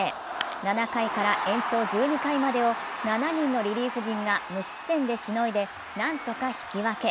７回から延長１２回までを７人のリリーフ陣が無失点でしのいで何とか引き分け。